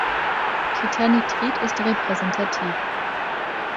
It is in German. Titannitrid ist repräsentativ.